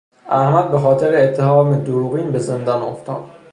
احمد به خاطر اتهام دروغین به زندان افتاد.